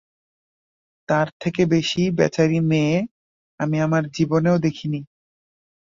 তার থেকে বেশি বেচারি মেয়ে আমি আমার জীবনেও দেখিনি!